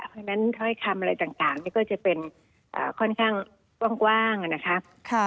เพราะฉะนั้นถ้าให้ทำอะไรต่างก็จะเป็นค่อนข้างกว้างนะคะ